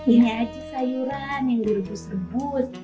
ini aja sayuran yang di rebus kebut